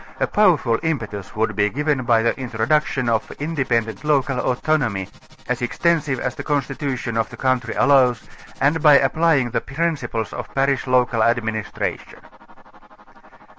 A powerful impetus would be given by the introduction of independent local autonomy, as extensive as the constitu tion of the country allows, and by applying the principles of parish local administration.